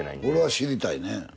これは知りたいね。